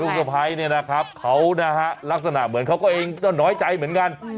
สะพ้ายเนี่ยนะครับเขานะฮะลักษณะเหมือนเขาก็เองก็น้อยใจเหมือนกัน